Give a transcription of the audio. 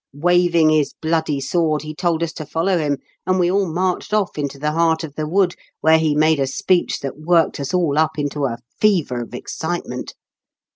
Waving his bloody sword, he told us to follow him, and we all marched off into the heart of the wood, where he made a speech that worked us all up into a fever of excitement.